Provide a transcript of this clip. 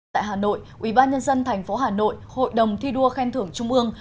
tại hà nội ubnd tp hà nội hội đồng thi đua khen thưởng trung ương